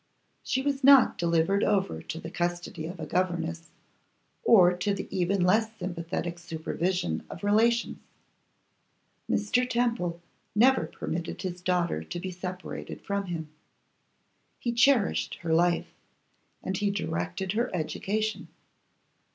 She was not delivered over to the custody of a governess, or to the even less sympathetic supervision of relations. Mr. Temple never permitted his daughter to be separated from him; he cherished her life, and he directed her education.